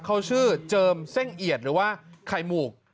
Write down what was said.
เขาชื่อเจิมเส้งเอียดหรือว่าไข่หมูก